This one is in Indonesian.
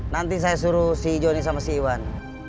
nanti saya suruh si joni sama si iwan